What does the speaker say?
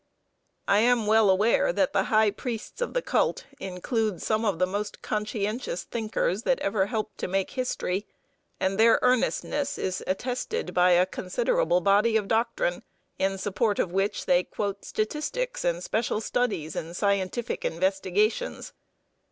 I am well aware that the high priests of the cult include some of the most conscientious thinkers that ever helped to make history, and their earnestness is attested by a considerable body of doctrine, in support of which they quote statistics and special studies and scientific investigations.